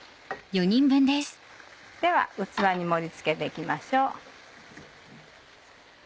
では器に盛り付けて行きましょう。